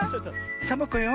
サボ子よ。